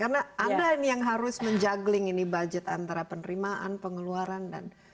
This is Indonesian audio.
karena anda ini yang harus menjageling ini budget antara penerimaan pengeluaran dan